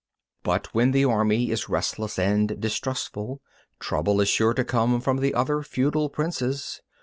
16. But when the army is restless and distrustful, trouble is sure to come from the other feudal princes.